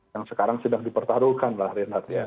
yang sekarang sedang dipertaruhkan lah renat